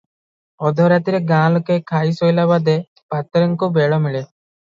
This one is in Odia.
ଅଧ ରାତିରେ ଗାଁ ଲୋକେ ଖାଇ ଶୋଇଲା ବାଦେ ପାତ୍ରଙ୍କୁ ବେଳ ମିଳେ ।